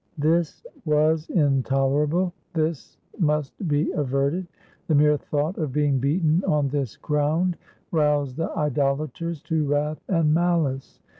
This was intolerable — this must be averted — the mere thought of being beaten on this ground roused the idolaters to wrath and malice.